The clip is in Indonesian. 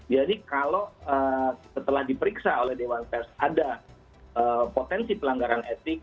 jadi kalau setelah diperiksa oleh dewan pers ada potensi pelanggaran etik